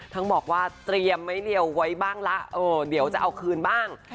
ทั้งบอกว่าเตรียมไม้เรียวไว้บ้างละเดี๋ยวจะเอาคืนบ้าง